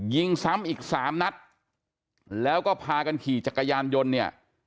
ยิงซ้ำอีกสามนัดแล้วก็พากันขี่จักรยานยนต์เนี่ย